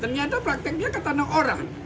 ternyata prakteknya ke tanah orang